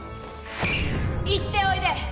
行っておいで！